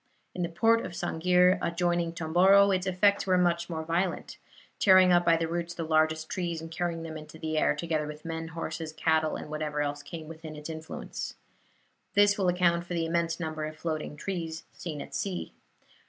In the port of Sang'ir, adjoining Tomboro, its effects were much more violent tearing up by the roots the largest trees, and carrying them into the air, together with men, horses, cattle, and whatever else came within its influence. This will account for the immense number of floating trees seen at sea.